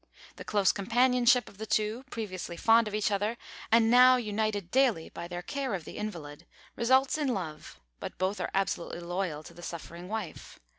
The close companionship of the two, previously fond of each other, and now united daily by their care of the invalid, results in love; but both are absolutely loyal to the suffering wife.